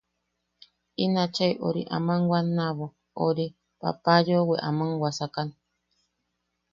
In achai ori aman wannabo ori papa yoʼowe ama wasakan.